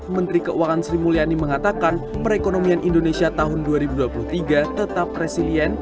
menteri keuangan sri mulyani mengatakan perekonomian indonesia tahun dua ribu dua puluh tiga tetap resilient